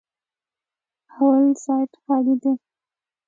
_اول سات خالي دی.